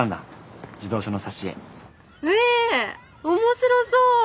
え面白そう！